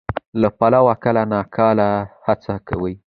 له پلوه کله ناکله هڅه کوي،